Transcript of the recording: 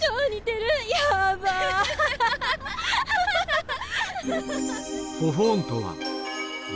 ハハハハ！